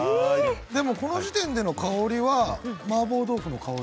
でも、この時点での香りはマーボー豆腐の香り。